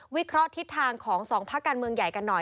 วิเคราะห์ทิศทางของสองพักการเมืองใหญ่กันหน่อย